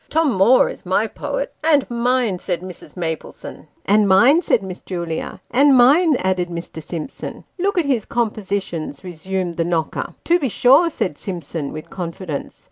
" Tom Moore is my poet." " And mine," said Mrs. Maplesone. " And mine," said Miss Julia. " And mine," added Mr. Simpson. " Look at his compositions," resumed the knocker. " To be sure," said Simpson, with confidence.